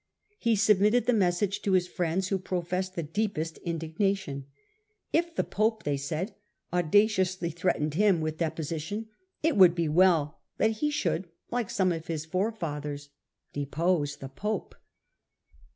He submitted the message to \ his friends, who professed the deepest indignation. If \ the pope, they said, audaciously threatened him with 1 deposition, it would be well that he should, like some of ' his forefathers, depose the pope.